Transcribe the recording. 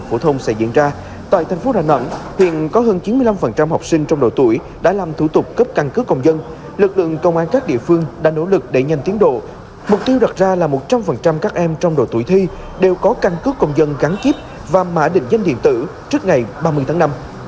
công an các quận huyện đã làm thủ tục cấp căn cức công dân lực lượng công an các địa phương đã nỗ lực để nhanh tiến độ mục tiêu đặt ra là một trăm linh các em trong đội tuổi thi đều có căn cức công dân gắn chip và mã định doanh điện tử trước ngày ba mươi tháng năm